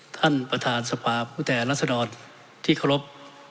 ท่านประธานสภาพผู้แทนรัศดรที่เคารพ